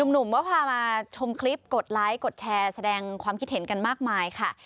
หนุ่มก็พามาชมคลิปกดไลค์กดแชร์แสดงความคิดเห็นกันมากมายค่ะ